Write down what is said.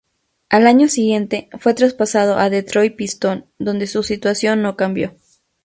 Al año siguiente fue traspasado a Detroit Pistons, donde su situación no cambió.